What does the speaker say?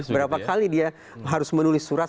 berapa kali dia harus menulis surat